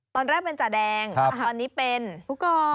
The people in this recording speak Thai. ตอนแรกเป็นจ่าแดงตอนนี้เป็นผู้กอง